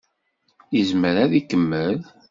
Yezmer ad ikemmel?